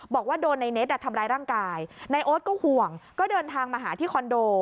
บอกว่าโดนในเน็ตทำร้ายร่างกายนายโอ๊ตก็ห่วงก็เดินทางมาหาที่คอนโด